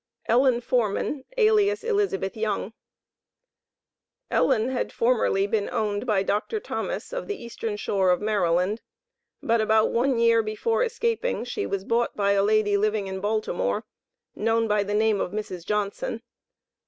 ELLEN FORMAN, alias ELIZABETH YOUNG. Ellen had formerly been owned by Dr. Thomas, of the Eastern Shore of Maryland, but about one year before escaping, she was bought by a lady living in Baltimore known by the name of Mrs. Johnson.